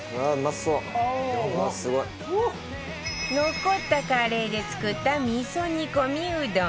残ったカレーで作った味噌煮込みうどん